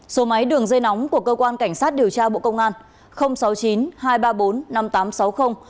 số máy đường dây nóng của cơ quan cảnh sát điều tra bộ công an sáu mươi chín hai trăm ba mươi bốn năm nghìn tám trăm sáu mươi